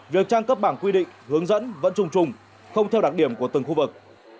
việc trang cấp bảng quy định hướng dẫn vẫn chung trùng không theo đặc điểm của từng khu vực